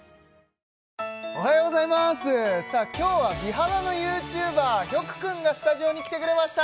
今日は美肌のＹｏｕＴｕｂｅｒヒョク君がスタジオに来てくれました